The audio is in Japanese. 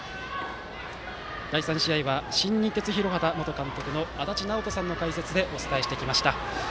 第３試合は新日鉄広畑元監督の足達尚人さんの解説でお伝えしてきました。